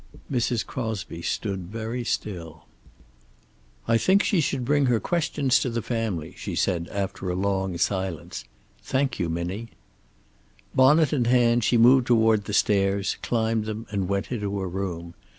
Mrs. Crosby stood very still. "I think she should bring her questions to the family," she said, after a silence. "Thank you, Minnie." Bonnet in hand, she moved toward the stairs, climbed them and went into her room.